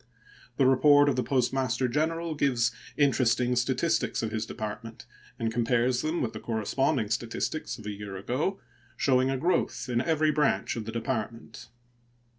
The report of the Postmaster General gives interesting statistics of his Department, and compares them with the corresponding statistics of a year ago, showing a growth in every branch of the Department.